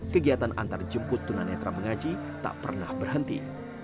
kegiatan antarjemput tunanetra mengaji tak pernah berhenti